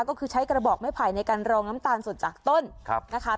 ก็คือใช้กระบอกไม้ไผ่ในการรองน้ำตาลสดจากต้นนะคะ